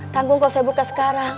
tanggung kok saya buka sekarang